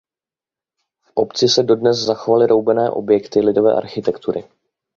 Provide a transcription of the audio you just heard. V obci se dodnes zachovaly roubené objekty lidové architektury.